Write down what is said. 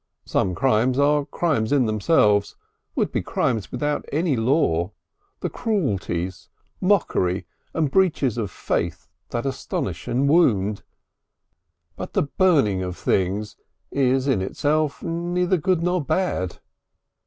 Some crimes are crimes in themselves, would be crimes without any law, the cruelties, mockery, the breaches of faith that astonish and wound, but the burning of things is in itself neither good nor bad.